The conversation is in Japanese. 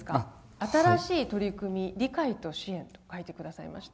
「新しい取組み理解と支援」と書いて下さいました。